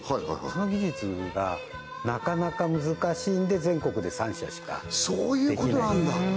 その技術がなかなか難しいんで全国で３社しかできないそういうことなんだ